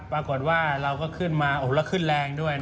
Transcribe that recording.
ปรากฏว่าเราก็ขึ้นมาโอ้โหแล้วขึ้นแรงด้วยนะครับ